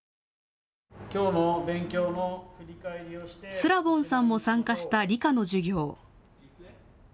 スラボンさんも参加した理科の授業。